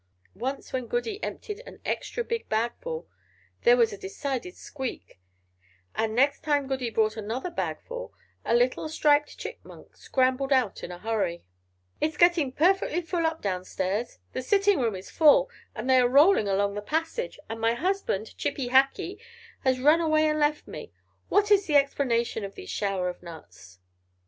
Once when Goody emptied an extra big bagful, there was a decided squeak; and next time Goody brought another bagful, a little striped Chipmunk scrambled out in a hurry. "It is getting perfectly full up down stairs; the sitting room is full, and they are rolling along the passage; and my husband, Chippy Hackee, has run away and left me. What is the explanation of these showers of nuts?"